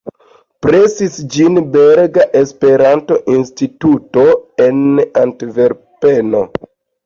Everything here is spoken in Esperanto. Presis ĝin Belga Esperanto-Instituto en Antverpeno.